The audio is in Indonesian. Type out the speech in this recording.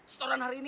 setoran hari ini